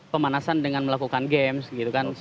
pemanasan dengan melakukan games gitu kan